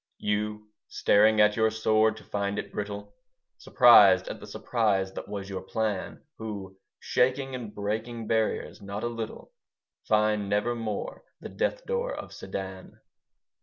You, staring at your sword to find it brittle, Surprised at the surprise that was your plan, Who shaking and breaking barriers not a little, Find never more the death door of Sedan.